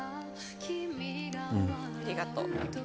ありがとう。